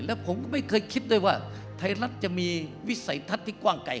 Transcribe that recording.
แล้วผมก็ไม่เคยคิดได้ว่าไทยรัฐจะมีวิสัยทัศน์ที่กว้างไกล